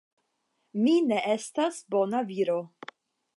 Mi ne estas bona viro.